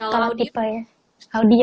kalau tipe ya